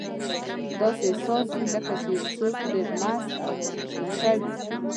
داسې احساس وي لکه یو څوک چې ډېر مست او نشه وي.